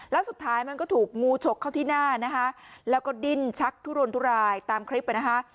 แล้วสุดท้ายมันก็ถูกงูฉกเข้าที่หน้านะคะแล้วก็ดิ้นชักทุรนทุรายตามคลิปนะคะ